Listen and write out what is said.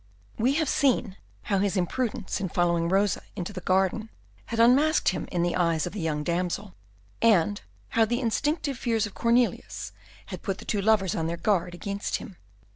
We have seen how his imprudence in following Rosa into the garden had unmasked him in the eyes of the young damsel, and how the instinctive fears of Cornelius had put the two lovers on their guard against him.